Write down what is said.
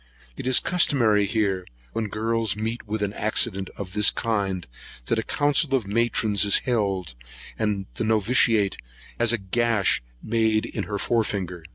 It is customary here, when girls meet with an accident of this kind, that a council of matrons is held, and the noviciate has a gash made in her fore finger.